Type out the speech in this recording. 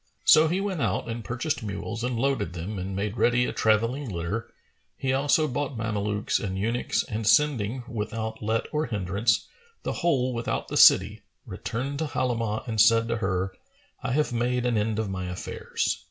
So he went out and purchased mules and loaded them and made ready a travelling litter, he also bought Mamelukes and eunuchs and sending, without let or hindrance, the whole without the city, returned to Halimah and said to her, "I have made an end of my affairs."